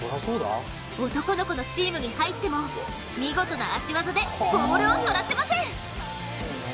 男の子のチームに入っても見事な足技でボールをとらせません。